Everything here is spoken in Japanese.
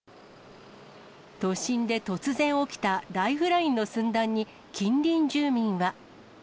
都心で突然起きたライフラインの寸断に、近隣住民は。